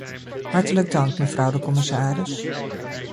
Hartelijk dank, mevrouw de commissaris.